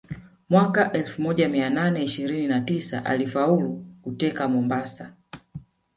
Mwaka elfu moja mia nane ishirini na tisa alifaulu kuteka Mombasa